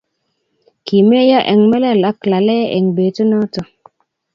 kimeyo eng melel ak lalee eng betunoto